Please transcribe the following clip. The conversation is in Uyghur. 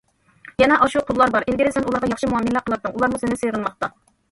يەنە ئاشۇ قۇللار بار، ئىلگىرى سەن ئۇلارغا ياخشى مۇئامىلە قىلاتتىڭ، ئۇلارمۇ سېنى سېغىنماقتا.